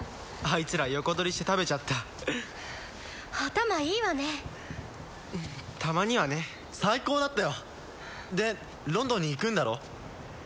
いつら横取りして食べちゃった頭いいわねたまにはね最高だったよでロンドンに行くんだろ？